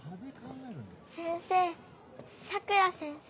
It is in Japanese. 先生佐倉先生。